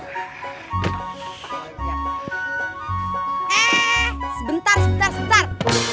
eh sebentar sebentar